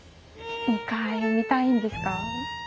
２階見たいんですか？